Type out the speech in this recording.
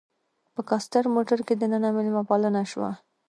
په کاسټر موټر کې دننه میلمه پالنه شوه.